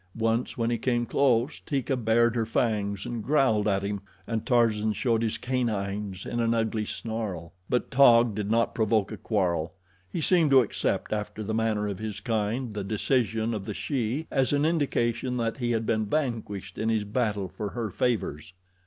Once when he came close, Teeka bared her fangs and growled at him, and Tarzan showed his canines in an ugly snarl; but Taug did not provoke a quarrel. He seemed to accept after the manner of his kind the decision of the she as an indication that he had been vanquished in his battle for her favors.